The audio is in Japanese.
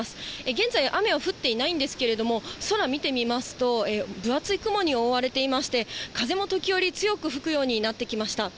現在、雨は降っていないんですけれども、空見てみますと、分厚い雲に覆われていまして、風も時折、強く吹くようになってきました。